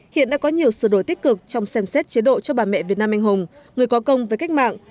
hiện đã có nhiều sửa đổi tích cực trong xem xét chế độ cho bà mẹ việt nam anh hùng người có công với cách mạng